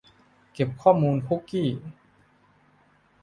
เก็บข้อมูลคุกกี้